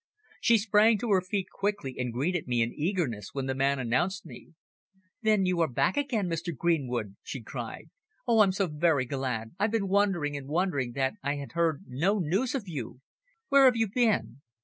She sprang to her feet quickly and greeted me in eagerness when the man announced me. "Then you are back again, Mr. Greenwood," she cried. "Oh, I'm so very glad. I've been wondering and wondering that I had heard no news of you. Where have you been?"